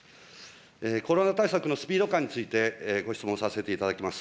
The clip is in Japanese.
コロナ対策のスピード感について、ご質問させていただきます。